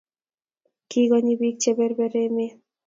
Kikonyi bik che berber emet